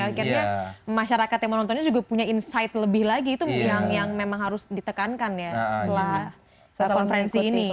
akhirnya masyarakat yang menontonnya juga punya insight lebih lagi itu yang memang harus ditekankan ya setelah konferensi ini